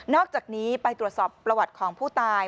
อกจากนี้ไปตรวจสอบประวัติของผู้ตาย